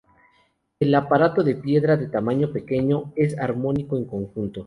El aparato de piedra, de tamaño pequeño, es armónico en conjunto.